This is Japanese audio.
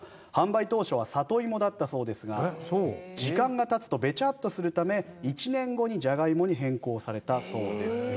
販売当初は里芋だったそうですが時間が経つとベチャッとするため１年後にじゃが芋に変更されたそうです。